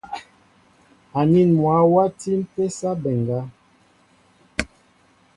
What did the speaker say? Anin mwă wati mpésa mbéŋga.